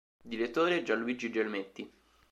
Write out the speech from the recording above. Direttore: Gianluigi Gelmetti.